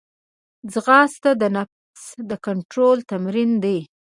ځغاسته د نفس کنټرول تمرین دی